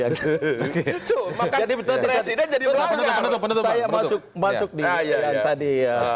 saya masuk di